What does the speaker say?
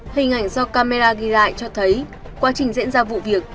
hình ảnh do camera ghi lại cho thấy quá trình diễn ra vụ việc